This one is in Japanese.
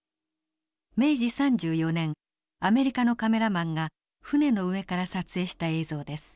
明治３４年アメリカのカメラマンが船の上から撮影した映像です。